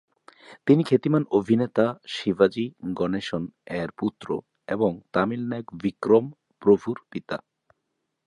তিনি খ্যাতিমান অভিনেতা শিবাজি গণেশন-এর পুত্র, এবং তামিল নায়ক বিক্রম প্রভুর পিতা।